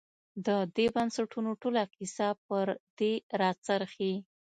د دې بنسټونو ټوله کیسه پر دې راڅرخي.